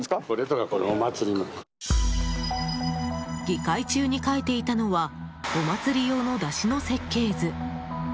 議会中に書いていたのはお祭り用の山車の設計図。